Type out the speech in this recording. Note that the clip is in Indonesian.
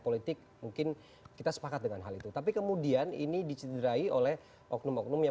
politik mungkin kita sepakat dengan hal itu tapi kemudian ini dicederai oleh oknum oknum yang